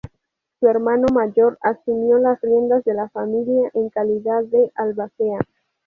Su hermano mayor asumió las riendas de la familia en calidad de albacea.